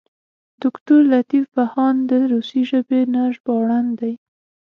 دوکتور لطیف بهاند د روسي ژبې نه ژباړن دی.